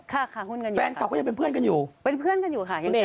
ค่ะค่ะคุณกันอยู่แฟนคลับก็ยังเป็นเพื่อนกันอยู่เป็นเพื่อนกันอยู่ค่ะยังไง